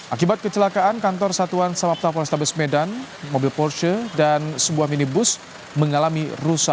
akibat kecelakaan kantor satuan samapta polrestabes medan mobil porsche dan sebuah minibus mengalami rusak